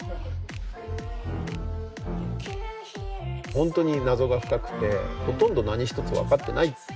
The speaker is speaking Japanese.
本当に謎が深くてほとんど何一つ分かっていない。